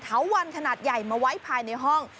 วันขนาดใหญ่มาไว้ภายในห้อง